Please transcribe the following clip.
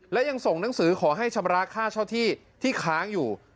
และยังส่งหนังสือขอให้ชำระค่าเช่าที่ที่ค้างอยู่